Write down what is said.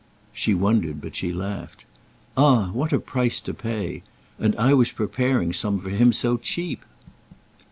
She wondered but she laughed. "Ah what a price to pay! And I was preparing some for him so cheap."